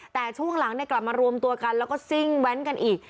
แต่ช่วงหลังกลับมารวมตัวกันแล้วก็ซิ่งแว้นกันอีก